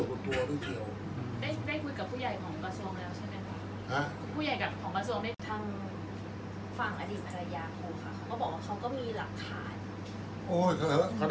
อันไหนที่มันไม่จริงแล้วอาจารย์อยากพูด